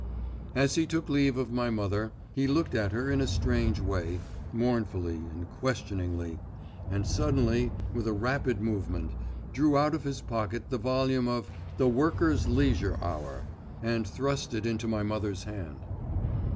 As he took leave of my mother he looked at her in a strange way, mournfully and questioningly … and suddenly, with a rapid movement, drew out of his pocket the volume of The Worker's Leisure Hour, and thrust it into my mother's hand.